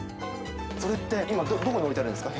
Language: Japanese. それって、今、どこに置いてあるんですか？